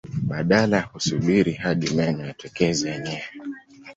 Badala ya kusubiri hadi meno yatokeze yenyewe